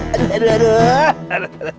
aduh aduh aduh